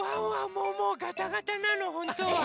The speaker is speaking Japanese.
もうガタガタなのほんとは。